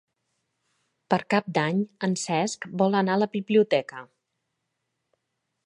Per Cap d'Any en Cesc vol anar a la biblioteca.